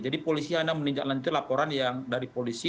jadi polisi hanya menindaklanjuti laporan yang dari polisi